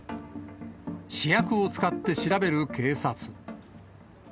試薬を使って調べる警察。